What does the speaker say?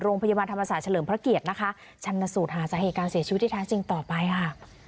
โรงพยาบาลธรรมศาสตร์เฉลิมพระเกียรตินะคะชันสูตรหาสาเหตุการเสียชีวิตที่แท้จริงต่อไปค่ะ